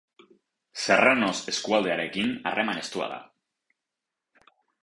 Serranos eskualdearekin harreman estua da.